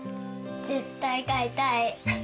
絶対飼いたい。